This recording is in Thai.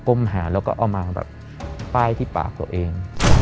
มหาแล้วก็เอามาแบบป้ายที่ปากตัวเอง